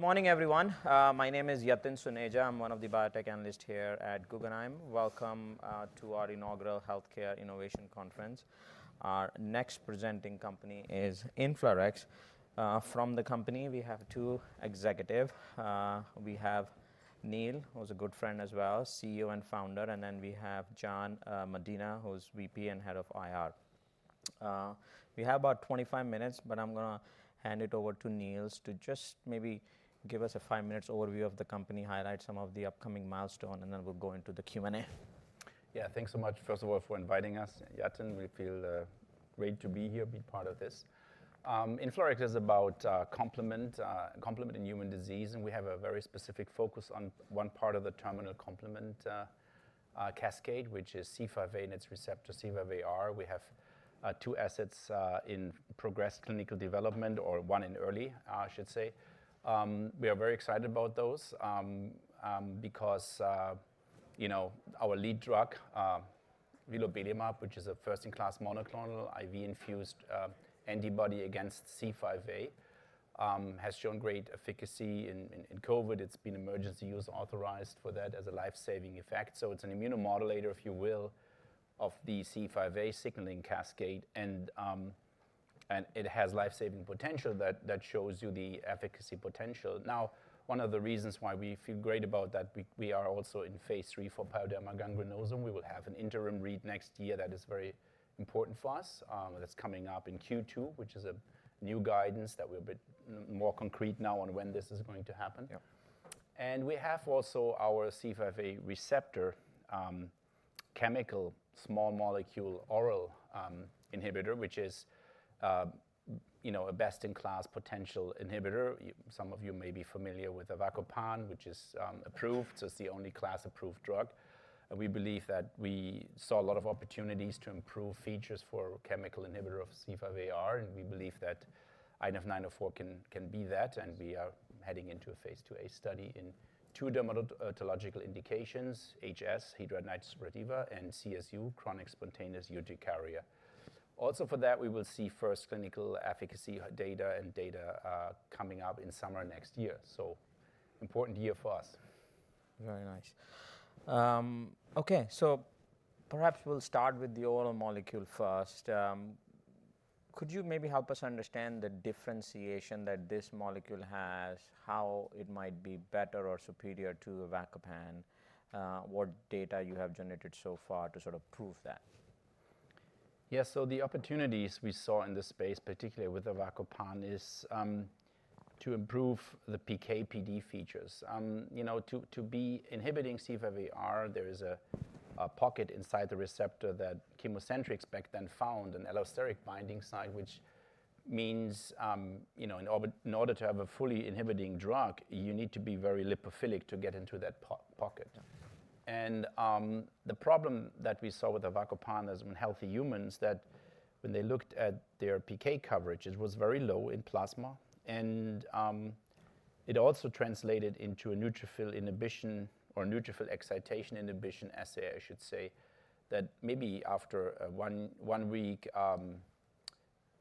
Good morning, everyone. My name is Yatin Suneja. I'm one of the biotech analysts here at Guggenheim. Welcome to our inaugural healthcare innovation conference. Our next presenting company is InflaRx. From the company, we have two executives. We have Niels, who's a good friend as well, CEO and founder. And then we have John Medina, who's VP and head of IR. We have about 25 minutes, but I'm gonna hand it over to Niels to just maybe give us a five-minute overview of the company, highlight some of the upcoming milestones, and then we'll go into the Q&A. Yeah, thanks so much, first of all, for inviting us. Yatin, we feel great to be here, be part of this. InflaRx is about complement, complement in human disease, and we have a very specific focus on one part of the terminal complement cascade, which is C5a and its receptor C5aR. We have two assets in progressed clinical development, or one in early, I should say. We are very excited about those, because, you know, our lead drug, Vilobelimab, which is a first-in-class monoclonal IV-infused antibody against C5a, has shown great efficacy in COVID. It's been emergency use authorized for that as a life-saving effect. So it's an immunomodulator, if you will, of the C5a signaling cascade and it has life-saving potential that shows you the efficacy potential. Now, one of the reasons why we feel great about that, we are also in phase 3 for pyoderma gangrenosum. We will have an interim read next year that is very important for us. That's coming up in Q2, which is a new guidance that we're a bit more concrete now on when this is going to happen. And we have also our C5a receptor chemical small molecule oral inhibitor, which is, you know, a best-in-class potential inhibitor. Some of you may be familiar with avacopan, which is approved. So it's the only class-approved drug. And we believe that we saw a lot of opportunities to improve features for chemical inhibitor of C5aR. And we believe that INF904 can be that. And we are heading into a phase 2a study in two dermatologic indications, HS, hidradenitis suppurativa, and CSU, chronic spontaneous urticaria. Also for that, we will see first clinical efficacy data coming up in summer next year. So important year for us. Very nice. Okay. So perhaps we'll start with the oral molecule first. Could you maybe help us understand the differentiation that this molecule has, how it might be better or superior to avacopan, what data you have generated so far to sort of prove that? Yeah. So the opportunities we saw in this space, particularly with avacopan, is to improve the PK/PD features. You know, to be inhibiting C5aR, there is a pocket inside the receptor that ChemoCentryx back then found, an allosteric binding site, which means, you know, in order to have a fully inhibiting drug, you need to be very lipophilic to get into that pocket. And the problem that we saw with avacopan is in healthy humans that when they looked at their PK coverage, it was very low in plasma. And it also translated into a neutrophil inhibition or neutrophil excitation inhibition assay, I should say, that maybe after one week,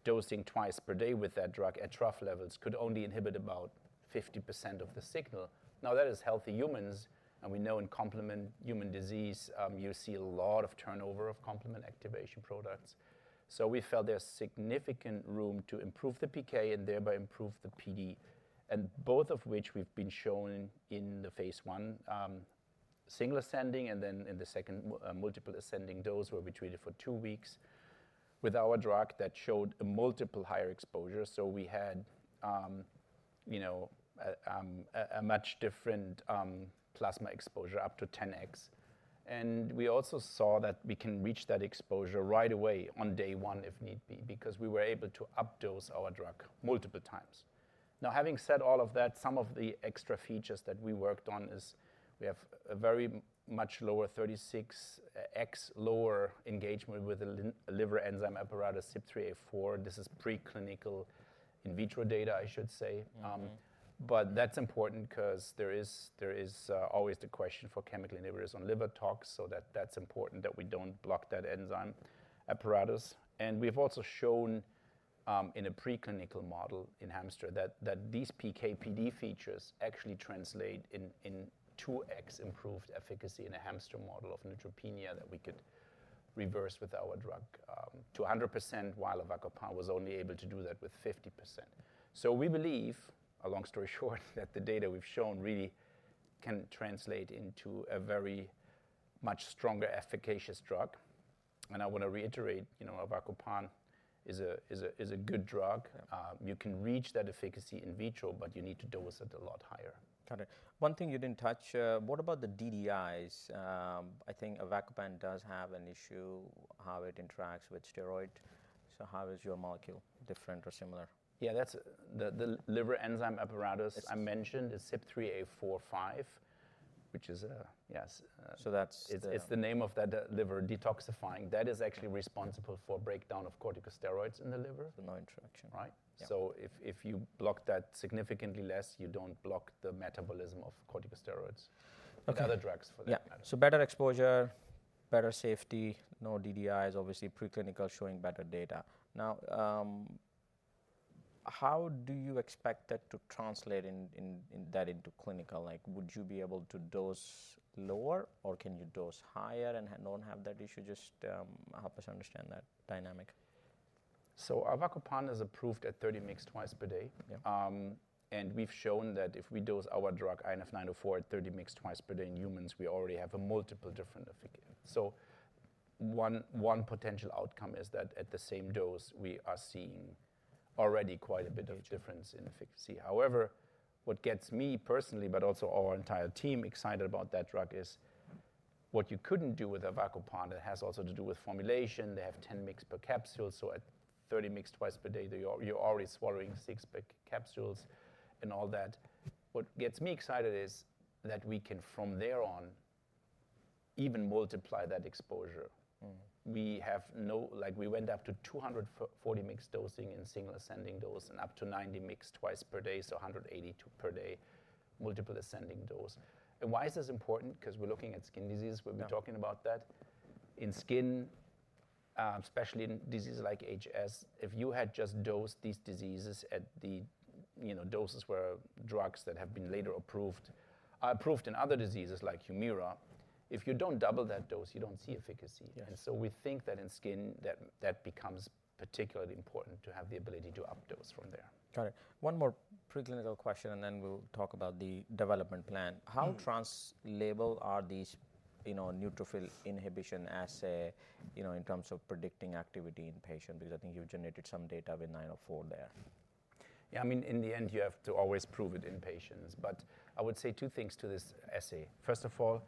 dosing twice per day with that drug at trough levels could only inhibit about 50% of the signal. Now, that is healthy humans. We know in complement human disease, you see a lot of turnover of complement activation products. We felt there's significant room to improve the PK and thereby improve the PD. Both of which we've been shown in the phase 1, single ascending, and then in the second, multiple ascending dose where we treated for two weeks with our drug that showed a multiple higher exposure. We had, you know, a much different plasma exposure up to 10x. We also saw that we can reach that exposure right away on day one if need be because we were able to updose our drug multiple times. Now, having said all of that, some of the extra features that we worked on is we have a very much lower 36x lower engagement with the liver enzyme apparatus, CYP3A4. This is preclinical in vitro data, I should say. But that's important 'cause there is always the question for chemical inhibitors on liver tox. That's important that we don't block that enzyme apparatus. We've also shown in a preclinical model in hamster that these PK/PD features actually translate into 2x improved efficacy in a hamster model of neutropenia that we could reverse with our drug to 100% while avacopan was only able to do that with 50%. We believe, a long story short, that the data we've shown really can translate into a very much stronger, efficacious drug. I wanna reiterate, you know, avacopan is a good drug. You can reach that efficacy in vitro, but you need to dose it a lot higher. Got it. One thing you didn't touch, what about the DDIs? I think avacopan does have an issue how it interacts with steroid. So how is your molecule different or similar? Yeah. That's the liver enzyme apparatus. I mentioned is CYP3A4, which is, it's the name of that liver detoxifying. That is actually responsible for breakdown of corticosteroids in the liver. For no interaction. Right? So if you block that significantly less, you don't block the metabolism of corticosteroids. Other drugs for that matter. Yeah. So better exposure, better safety, no DDIs, obviously preclinical showing better data. Now, how do you expect that to translate in that into clinical? Like, would you be able to dose lower or can you dose higher and don't have that issue? Just, help us understand that dynamic? Avacopan is approved at 30 mg twice per day. And we've shown that if we dose our drug INF904 at 30 mg twice per day in humans, we already have a multiple different efficacy. So one potential outcome is that at the same dose, we are seeing already quite a bit of difference in efficacy. However, what gets me personally, but also our entire team excited about that drug is what you couldn't do with avacopan. It has also to do with formulation. They have 10 mg per capsule. So at 30 mg twice per day, you're already swallowing six big capsules and all that. What gets me excited is that we can, from there on, even multiply that exposure. We have, like, we went up to 240 mg dosing in single ascending dose and up to 90 mg twice per day. So 182 per day, multiple ascending dose, and why is this important? 'Cause we're looking at skin disease. We'll be talking about that. In skin, especially in disease like HS, if you had just dosed these diseases at the, you know, doses of drugs that have been later approved approved in other diseases like Humira, if you don't double that dose, you don't see efficacy. And so we think that in skin, that becomes particularly important to have the ability to updose from there. Got it. One more preclinical question, and then we'll talk about the development plan. How translational are these, you know, neutrophil inhibition assay, you know, in terms of predicting activity in patient? Because I think you've generated some data with 904 there. Yeah. I mean, in the end, you have to always prove it in patients. But I would say two things to this assay. First of all,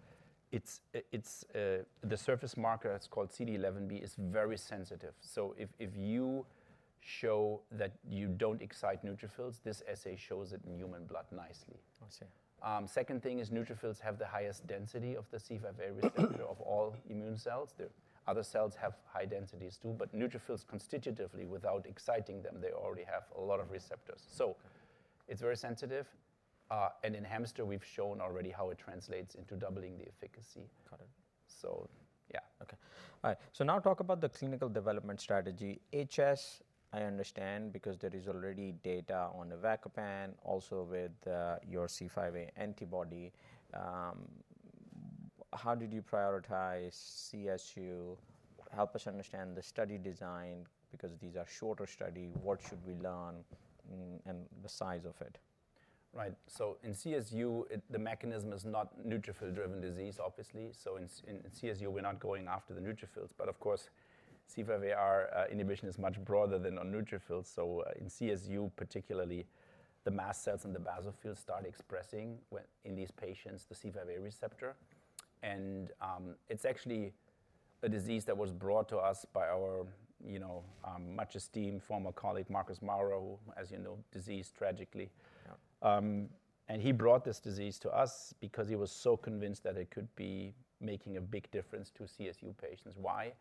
it's the surface marker; it's called CD11b and is very sensitive. So if you show that you don't activate neutrophils, this assay shows it in human blood nicely. I see. Second thing is neutrophils have the highest density of the C5a receptor of all immune cells. The other cells have high densities too. But neutrophils constitutively, without exciting them, they already have a lot of receptors. So it's very sensitive, and in hamster, we've shown already how it translates into doubling the efficacy. Got it. So yeah. Okay. All right. So now talk about the clinical development strategy. HS, I understand because there is already data on avacopan, also with your C5a antibody. How did you prioritize CSU? Help us understand the study design because these are shorter study. What should we learn, and the size of it? Right. So in CSU, it's the mechanism is not neutrophil-driven disease, obviously. So in CSU, we're not going after the neutrophils. But of course, C5aR inhibition is much broader than on neutrophils. So, in CSU, particularly, the mast cells and the basophils start expressing, in these patients, the C5a receptor. And, it's actually a disease that was brought to us by our, you know, much esteemed former colleague, Marcus Maurer, who, as you know, deceased tragically. And he brought this disease to us because he was so convinced that it could be making a big difference to CSU patients. Why?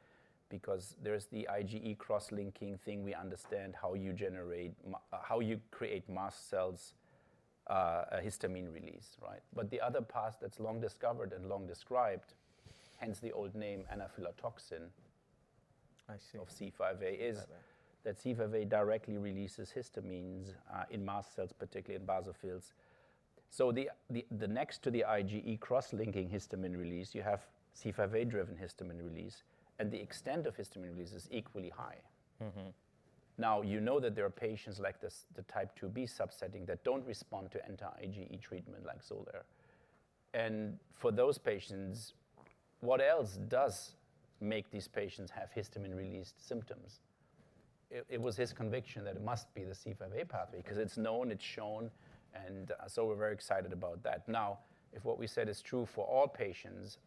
Because there's the IgE cross-linking thing. We understand how you generate how you create mast cells, histamine release, right? But the other path that's long discovered and long described, hence the old name anaphylotoxin. I see. Of C5a is that C5a directly releases histamines in mast cells, particularly in basophils. So the next to the IgE cross-linking histamine release, you have C5a-driven histamine release. And the extent of histamine release is equally high. Now, you know that there are patients like this, the Type IIb subsetting that don't respond to anti-IgE treatment like Xolair. And for those patients, what else does make these patients have histamine-released symptoms? It was his conviction that it must be the C5a pathway 'cause it's known, it's shown. And, so we're very excited about that. Now, if what we said is true for all patients,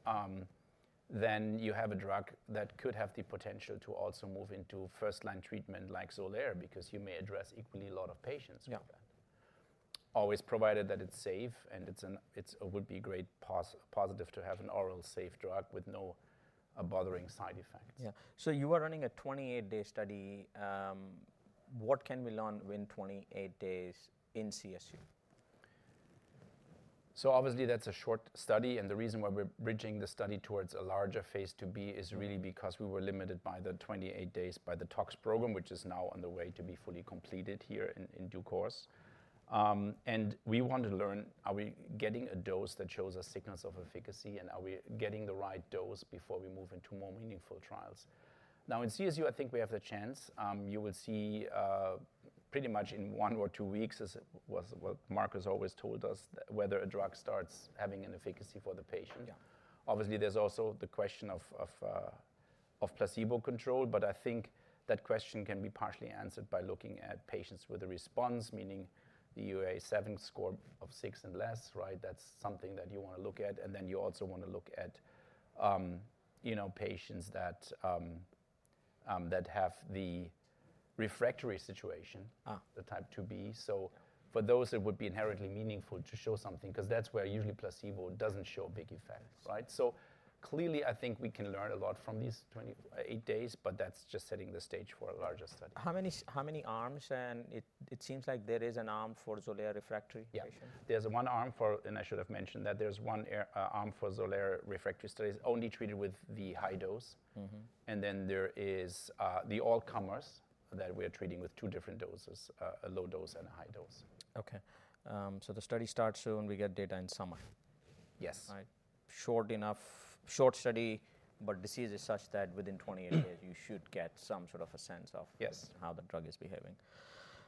then you have a drug that could have the potential to also move into first-line treatment like Xolair because you may address equally a lot of patients with that. Always provided that it's safe and it would be great positive to have an oral safe drug with no bothering side effects. Yeah. So you are running a 28-day study. What can we learn within 28 days in CSU? Obviously, that's a short study. The reason why we're bridging the study towards a larger phase 2b is really because we were limited by the 28 days by the TOX program, which is now on the way to be fully completed here in due course. And we want to learn, are we getting a dose that shows us signals of efficacy and are we getting the right dose before we move into more meaningful trials? Now, in CSU, I think we have the chance. You will see, pretty much in one or two weeks, as it was what Marcus always told us, that whether a drug starts having an efficacy for the patient. Obviously, there's also the question of placebo control. But I think that question can be partially answered by looking at patients with a response, meaning the UAS7 score of six and less, right? That's something that you wanna look at. And then you also wanna look at, you know, patients that have the refractory situation. The type IIb. So for those, it would be inherently meaningful to show something 'cause that's where usually placebo doesn't show big effects, right? So clearly, I think we can learn a lot from these 28 days, but that's just setting the stage for a larger study. How many arms? And it seems like there is an arm for Xolair refractory patients. Yeah. There's one arm for, and I should have mentioned that there's one arm for Xolair refractory studies only treated with the high dose. And then there is the all-comers that we are treating with two different doses, a low dose and a high dose. Okay, so the study starts soon. We get data in summer. Yes. Right. Short enough, short study, but disease is such that within 28 days, you should get some sort of a sense of how the drug is behaving.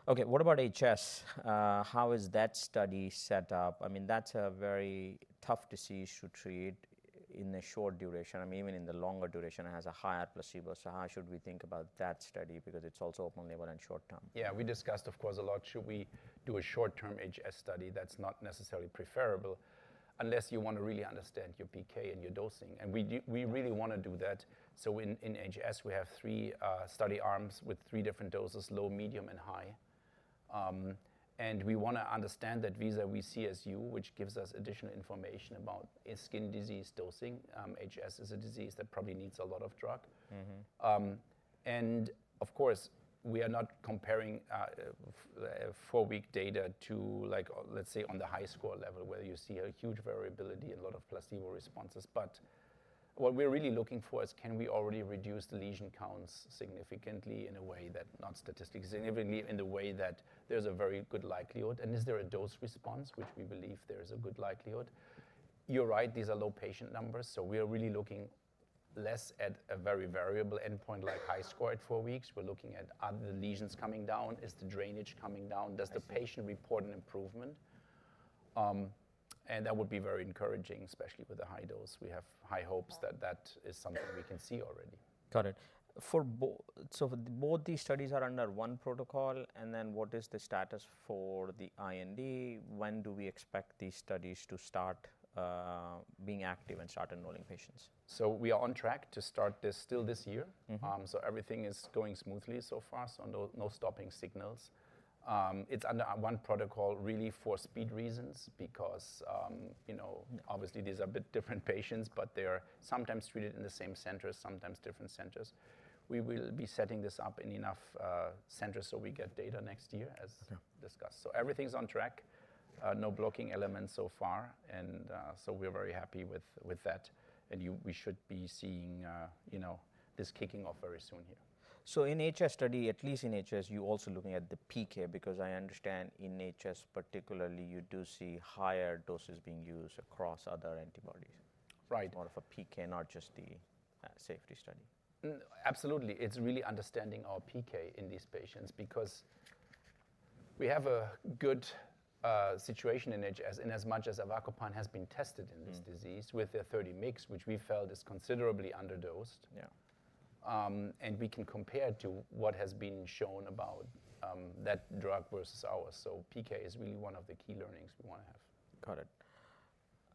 Okay. What about HS? How is that study set up? I mean, that's a very tough disease to treat in the short duration. I mean, even in the longer duration, it has a higher placebo. So how should we think about that study because it's also open-label and short-term? Yeah. We discussed, of course, a lot, should we do a short-term HS study? That's not necessarily preferable unless you wanna really understand your PK and your dosing. And we do, we really wanna do that. So in HS, we have three study arms with three different doses, low, medium, and high. And we wanna understand that vis-à-vis CSU, which gives us additional information about skin disease dosing. HS is a disease that probably needs a lot of drug. And of course, we are not comparing four-week data to, like, let's say, on the HiSCR level where you see a huge variability, a lot of placebo responses. But what we're really looking for is can we already reduce the lesion counts significantly in a way that not statistically significantly, in a way that there's a very good likelihood? And is there a dose response, which we believe there is a good likelihood? You're right. These are low patient numbers. So we are really looking less at a very variable endpoint like HiSCR at four weeks. We're looking at are the lesions coming down? Is the drainage coming down? Does the patient report an improvement? And that would be very encouraging, especially with a high dose. We have high hopes that that is something we can see already. Got it. For both, so both these studies are under one protocol. And then what is the status for the IND? When do we expect these studies to start, being active and start enrolling patients? We are on track to start this still this year. So everything is going smoothly so far, so no, no stopping signals. It's under one protocol really for speed reasons because, you know, obviously these are a bit different patients, but they're sometimes treated in the same centers, sometimes different centers. We will be setting this up in enough centers so we get data next year as discussed. Everything's on track. No blocking elements so far. We're very happy with that. We should be seeing, you know, this kicking off very soon here. So in HS study, at least in HS, you also looking at the PK because I understand in HS particularly, you do see higher doses being used across other antibodies. Right. More of a PK, not just the safety study. Absolutely. It's really understanding our PK in these patients because we have a good situation in HS in as much as avacopan has been tested in this disease with the 30 mg, which we felt is considerably underdosed. Yeah. And we can compare it to what has been shown about that drug versus ours. So PK is really one of the key learnings we wanna have. Got it.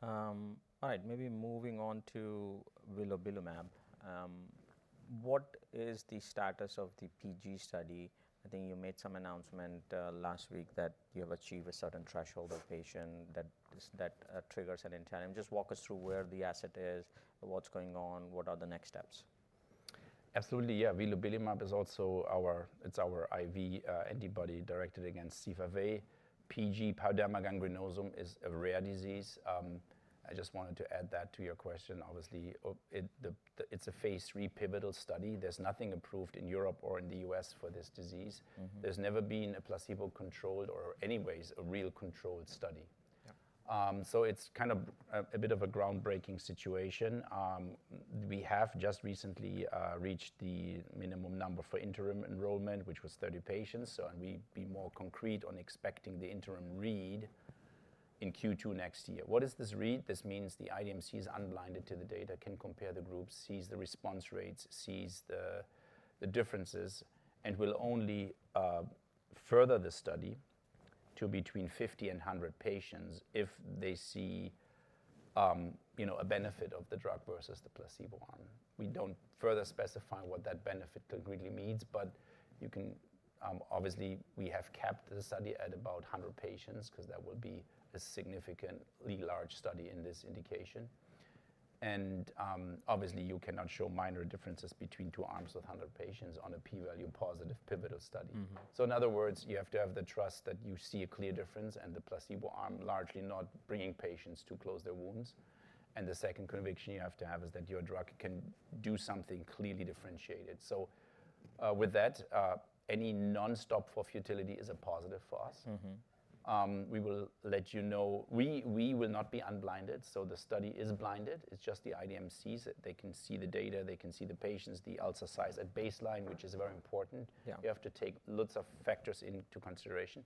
All right. Maybe moving on to vilobelimab. What is the status of the PG study? I think you made some announcement last week that you have achieved a certain threshold of patient that triggers an intent and just walk us through where the asset is, what's going on, what are the next steps. Absolutely. Yeah. Vilobelimab is also our IV antibody directed against C5a. PG, pyoderma gangrenosum, is a rare disease. I just wanted to add that to your question. Obviously, it's a phase three pivotal study. There's nothing approved in Europe or in the US for this disease. There's never been a placebo-controlled or anyways a real controlled study. So it's kind of a bit of a groundbreaking situation. We have just recently reached the minimum number for interim enrollment, which was 30 patients. So, and we'll be more concrete on expecting the interim read in Q2 next year. What is this read? This means the IDMC is unblinded to the data, can compare the groups, sees the response rates, sees the differences, and will only further the study to between 50 and 100 patients if they see, you know, a benefit of the drug versus the placebo arm. We don't further specify what that benefit concretely means, but you can, obviously we have capped the study at about 100 patients 'cause that will be a significantly large study in this indication, and obviously, you cannot show minor differences between two arms with 100 patients on a P-value positive pivotal study. So in other words, you have to have the trust that you see a clear difference and the placebo arm largely not bringing patients to close their wounds, and the second conviction you have to have is that your drug can do something clearly differentiated, so with that, any non-stop for futility is a positive for us. We will let you know. We will not be unblinded. So the study is blinded. It's just the IDMCs that they can see the data. They can see the patients, the ulcer size at baseline, which is very important. You have to take lots of factors into consideration,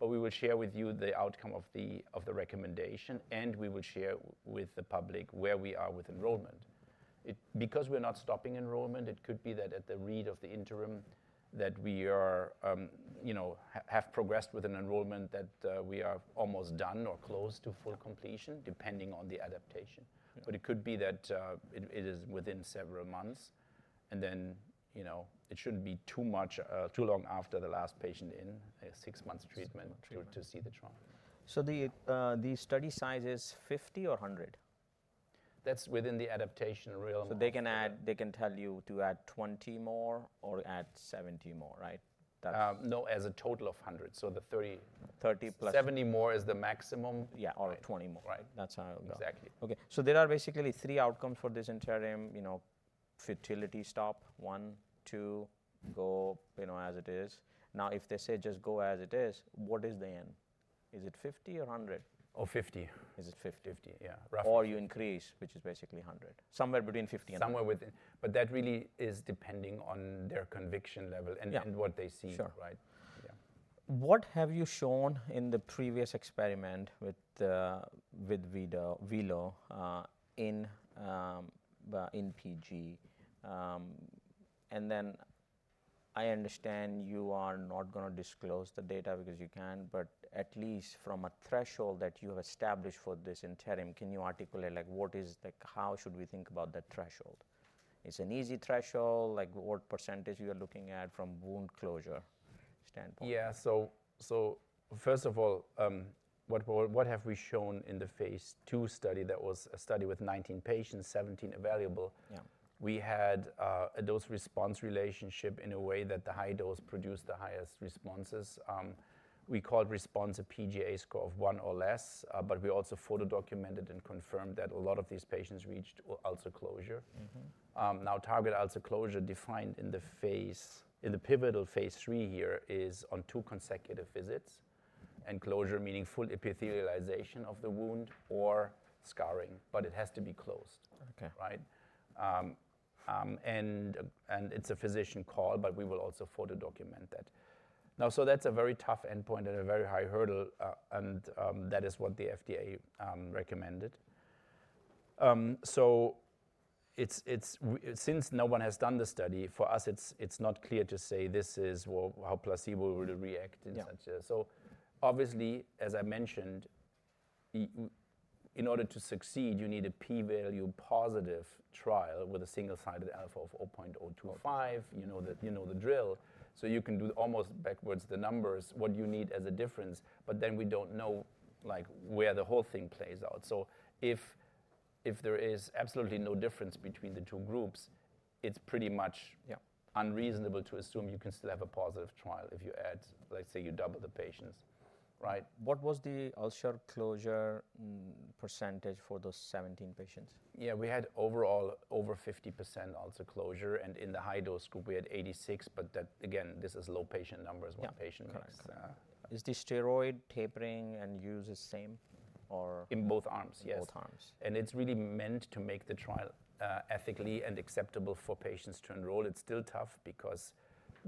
but we will share with you the outcome of the recommendation, and we will share with the public where we are with enrollment. It's because we're not stopping enrollment, it could be that at the readout of the interim that we are, you know, have progressed with an enrollment that we are almost done or close to full completion depending on the adaptation. But it could be that it is within several months, and then, you know, it shouldn't be too long after the last patient in, six months treatment to see the trial. So the study size is 50 or 100? That's within the adaptation realm. So they can tell you to add 20 more or add 70 more, right? No, as a total of 100. So the 30. 30 plus. 70 more is the maximum. Yeah. Or 20 more, right? That's how it goes. Exactly. Okay. So there are basically three outcomes for this interim, you know, futility stop, one, two, go, you know, as it is. Now, if they say just go as it is, what is the end? Is it 50 or 100? Oh, 50. Is it 50? 50. Yeah. Roughly. Or you increase Which is basically 100. Somewhere within, but that really is depending on their conviction level and what they see. What have you shown in the previous experiment with vilo in PG? Then I understand you are not gonna disclose the data because you can, but at least from a threshold that you have established for this interim, can you articulate like what is, how should we think about that threshold? It's an easy threshold. Like what percentage you are looking at from wound closure standpoint? Yeah. So, first of all, what have we shown in the phase II study that was a study with 19 patients, 17 available? We had a dose-response relationship in a way that the high dose produced the highest responses. We called response a PGA score of one or less, but we also photodocumented and confirmed that a lot of these patients reached ulcer closure. Now, target ulcer closure defined in the pivotal phase III here is on two consecutive visits, and closure meaning full epithelialization of the wound or scarring, but it has to be closed. Right? And it's a physician call, but we will also photodocument that. Now that's a very tough endpoint and a very high hurdle, and that is what the FDA recommended. So it's since no one has done the study, for us, it's not clear to say this is how placebo will react in such a yeah. Obviously, as I mentioned, you in order to succeed, you need a p-value positive trial with a single-sided alpha of 0.025. You know the drill. So you can do almost backwards the numbers, what you need as a difference, but then we don't know, like, where the whole thing plays out. So if there is absolutely no difference between the two groups, it's pretty much. Unreasonable to assume you can still have a positive trial if you add, let's say, you double the patients, right? What was the ulcer closure percentage for those 17 patients? Yeah. We had overall over 50% ulcer closure. And in the high-dose group, we had 86%, but that again, this is low patient numbers. One patient numbers. Is the steroid tapering and use the same or? In both arms, yes. Both arms. And it's really meant to make the trial ethically and acceptable for patients to enroll. It's still tough because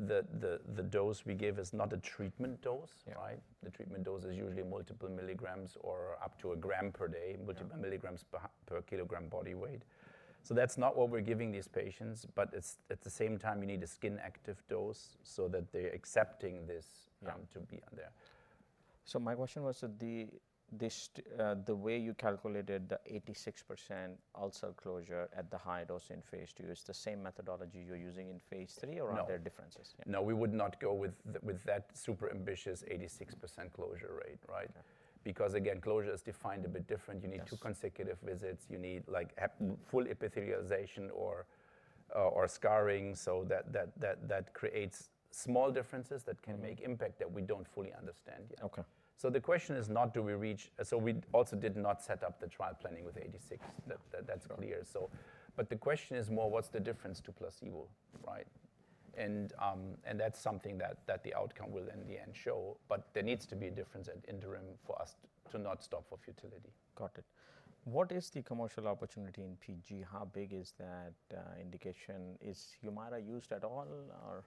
the dose we give is not a treatment dose, right? The treatment dose is usually multiple milligrams or up to a gram per day, multiple milligrams per kilogram body weight. So that's not what we're giving these patients, but it's at the same time, you need a skin-active dose so that they're accepting this to be on there. So my question was the way you calculated the 86% ulcer closure at the high dose in phase II, is the same methodology you're using in phase three or are there differences? No, we would not go with that super ambitious 86% closure rate, right? Because again, closure is defined a bit different. You need two consecutive visits. You need, like, a full epithelialization or scarring. So that creates small differences that can make impact that we don't fully understand yet. Okay. So the question is not do we reach, so we also did not set up the trial planning with 86. That, that's clear. So but the question is more, what's the difference to placebo, right? And that's something that the outcome will in the end show. But there needs to be a difference at interim for us to not stop for futility. Got it. What is the commercial opportunity in PG? How big is that, indication? Is Humira used at all or?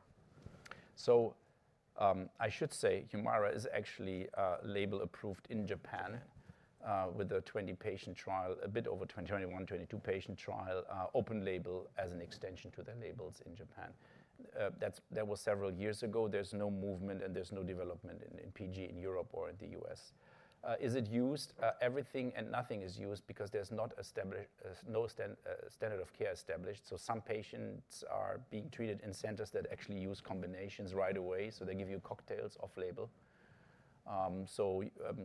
I should say Humira is actually label approved in Japan, with a 20-patient trial, a bit over 20, 21, 22-patient trial, open label as an extension to their labels in Japan. That was several years ago. There's no movement and there's no development in PG in Europe or in the U.S. Is it used? Everything and nothing is used because there's no established standard of care. Some patients are being treated in centers that actually use combinations right away. So they give you cocktails off-label. So,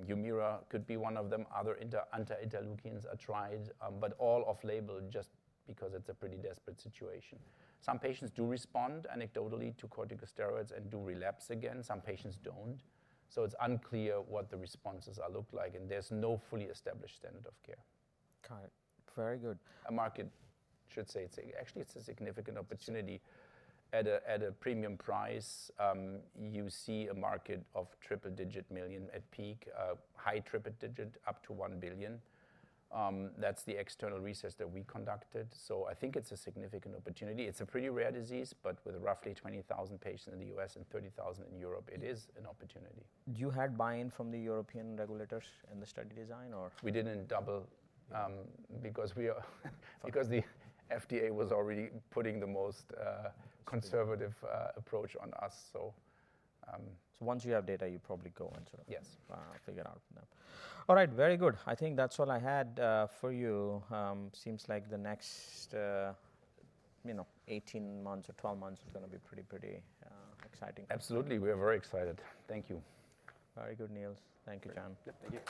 Humira could be one of them. Other anti-interleukins are tried, but all off-label just because it's a pretty desperate situation. Some patients do respond anecdotally to corticosteroids and do relapse again. Some patients don't. So it's unclear what the responses look like, and there's no fully established standard of care. Got it. Very good. The market should say it's actually a significant opportunity at a premium price. You see a market of triple-digit million at peak, high triple-digit up to 1 billion. That's the external research that we conducted. I think it's a significant opportunity. It's a pretty rare disease, but with roughly 20,000 patients in the US and 30,000 in Europe, it is an opportunity. Did you have buy-in from the European regulators in the study design or? We didn't double, because the FDA was already putting the most conservative approach on us. So, Once you have data, you probably go and sort of. Yes. Figure out from them. All right. Very good. I think that's all I had for you. Seems like the next, you know, 18 months or 12 months is gonna be pretty, pretty exciting. Absolutely. We are very excited. Thank you. Very good, Niels. Thank you, John. Yep. Thank you.